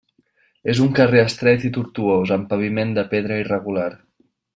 És un carrer estret i tortuós amb paviment de pedra irregular.